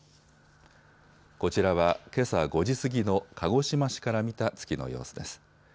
こちらはけさ５時過ぎの鹿児島市から見た月の様子です。